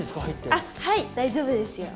あっはい大丈夫ですよ。